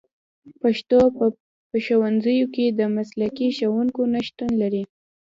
پښتو په ښوونځیو کې د مسلکي ښوونکو نشتون لري